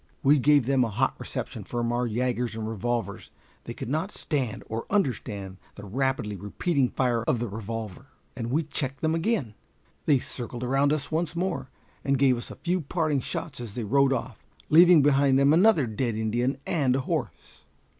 We gave them a hot reception from our yagers and revolvers. They could not stand or understand the rapidly repeating fire of the revolver, and we checked them again. They circled around us once more, and gave us a few parting shots as they rode off, leaving behind them another dead Indian and a horse.